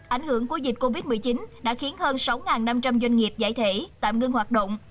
ảnh hưởng của dịch covid một mươi chín đã khiến hơn sáu năm trăm linh doanh nghiệp giải thể tạm ngưng hoạt động